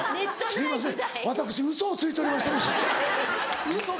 すいません。